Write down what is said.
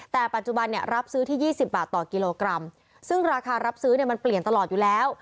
แต่ปัจจุบันเนี่ยรับซื้อที่๒๐บาทต่อกิโลกรัมซึ่งราคารับซื้อเนี่ยมันเปลี่ยนตลอดอยู่แล้ว